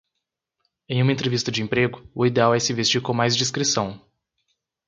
Em uma entrevista de emprego, o ideal é se vestir com mais discrição.